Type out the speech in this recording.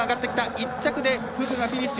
１着でフグがフィニッシュ。